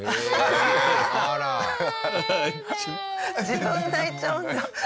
自分泣いちゃうんだ。